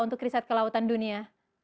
untuk riset kelautan dunia